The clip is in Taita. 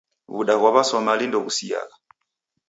W'uda ghwa W'asomali ndoghusiagha.